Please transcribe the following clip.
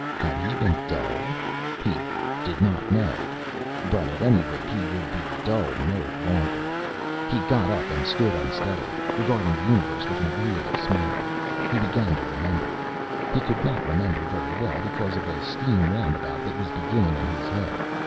Had he been dull? He did not know; but at any rate he would be dull no longer. He got up and stood unsteadily, regarding the universe with an agreeable smile. He began to remember. He could not remember very well, because of a steam roundabout that was beginning in his head.